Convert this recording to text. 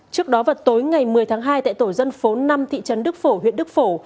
trước đó vào tối ngày một mươi tháng hai tại tổ dân phố năm thị trấn đức phổ huyện đức phổ